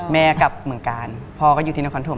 แม่กลับเหมือนกันพ่อก็อยู่ที่น้ำคอนโถม